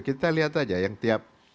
kita lihat aja yang tiap